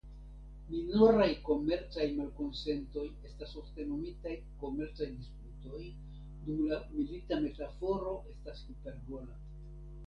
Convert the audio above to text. Minoraj komercaj malkonsentoj estas ofte nomitaj "komercaj disputoj" dum la milita metaforo estas hiperbola.